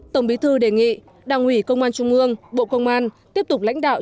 tổng bí thư đề nghị đảng ủy công an trung ương bộ công an tiếp tục lãnh đạo